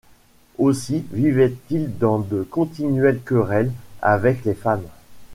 Aussi vivait-il dans de continuelles querelles avec les femmes.